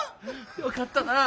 よかったなあ。